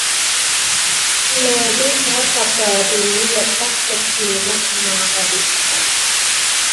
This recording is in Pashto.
له دې پرته په دې لویه دښته کې نه کومه ابادي شته.